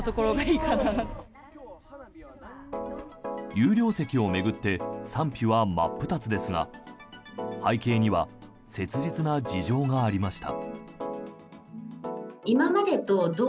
有料席を巡って賛否は真っ二つですが背景には切実な事情がありました。